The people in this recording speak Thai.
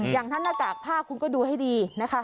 อย่างนั้นหน้ากากผ้าคุณก็ดูให้ดีนะคะ